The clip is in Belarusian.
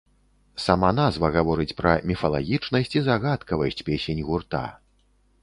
Сама назва гаворыць пра міфалагічнасць і загадкавасць песень гурта.